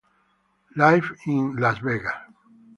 Live in Las Vegas".